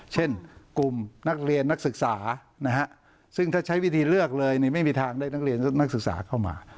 เช่นกลุ่มนักเรียนนักศึกษาซึ่งถ้าใช้วิธีเลือกเลยไม่มีทางได้นักเรียนนักศึกษาเข้ามา